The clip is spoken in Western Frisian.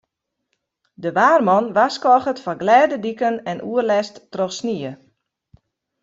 De waarman warskôget foar glêde diken en oerlêst troch snie.